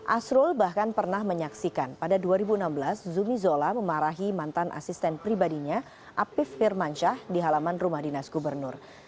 asrul bahkan pernah menyaksikan pada dua ribu enam belas zumi zola memarahi mantan asisten pribadinya apif firmansyah di halaman rumah dinas gubernur